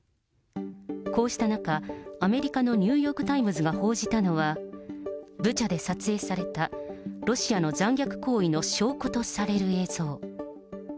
こうした中、アメリカのニューヨーク・タイムズが報じたのは、ブチャで撮影されたロシアの残虐行為の証拠とされる映像。